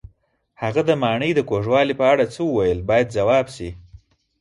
هغه د ماڼۍ د کوږوالي په اړه څه وویل باید ځواب شي.